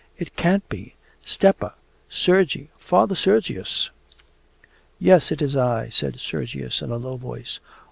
'It can't be! Stepa! Sergey! Father Sergius!' 'Yes, it is I,' said Sergius in a low voice.